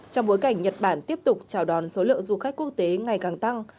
trong bối cảnh nhật bản tiếp tục chào đón số lượng du khách quốc tế ngày càng tăng